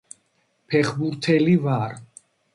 ფეხბურთელი ვარ